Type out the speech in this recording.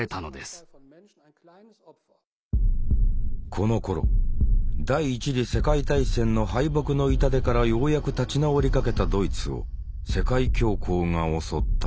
このころ第一次世界大戦の敗北の痛手からようやく立ち直りかけたドイツを世界恐慌が襲った。